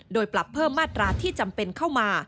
โดยปรับเพิ่มมาตราที่จำเป็นเข้ามา